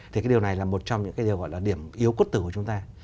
thì cái điều này là một trong những cái điều gọi là điểm yếu cốt tử của chúng ta